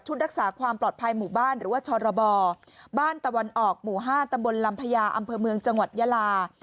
รักษาความปลอดภัยหมู่บ้านหรือว่าชรบบ้านตะวันออกหมู่๕ตำบลลำพญาอำเภอเมืองจังหวัดยาลา